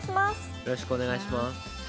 よろしくお願いします。